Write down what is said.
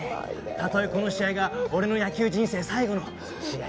たとえこの試合が俺の野球人生最後の試合になっても構わない。